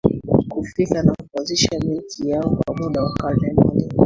kufika na kuanzisha milki yao kwa muda wa karne moja